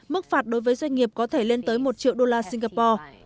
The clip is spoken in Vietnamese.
mức phạt đối với doanh nghiệp có thể lên tới một triệu đô la singapore